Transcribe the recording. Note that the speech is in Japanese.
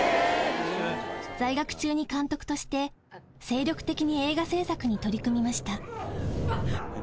在学中に監督として、精力的に映画製作に取り組みました。